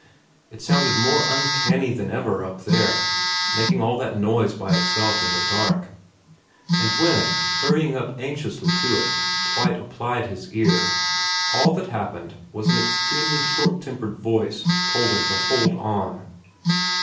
It sounded more uncanny than ever up there, making all that noise by itself in the dark ; and when, hurrying up anxiously to it, Twite applied his ear, all that happened was that an extremely short tempered voice told him to hold on.